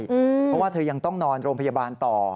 เพราะว่าเธอยังต้องนอนโรงพยาบาลต่อ